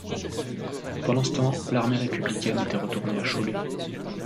Pendant ce temps, l'armée républicaine était retournée à Cholet.